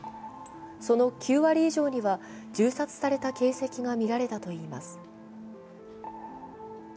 その９割以上には銃殺された形跡がみられたといいます。